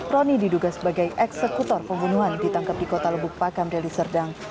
rony diduga sebagai eksekutor pembunuhan ditangkap di kota lebuk pakam reli serdang